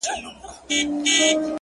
زما گلاب زما سپرليه’ ستا خبر نه راځي’